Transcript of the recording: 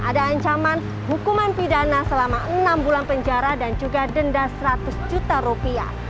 ada ancaman hukuman pidana selama enam bulan penjara dan juga denda seratus juta rupiah